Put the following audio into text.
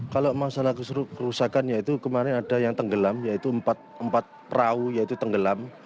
kalau masalah kerusakan yaitu kemarin ada yang tenggelam yaitu empat perahu yaitu tenggelam